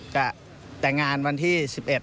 จะแต่งงานวันที่๑๑